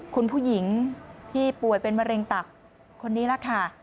คุณผู้หญิงที่ป่วยเป็นมะเร็งตับคนนี้ล่ะค่ะ